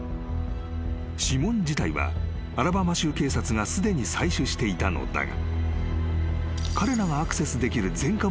［指紋自体はアラバマ州警察がすでに採取していたのだが］